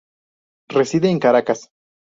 Reside en Caracas.